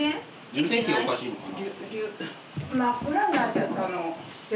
充電器がおかしいのかな。